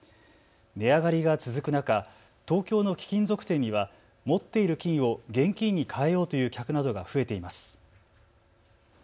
値上がりが続く中、東京の貴金属店には持っている金を現金に換えようという客などが増えています。